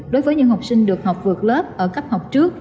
đối với những học sinh được học vượt lớp ở cấp học trước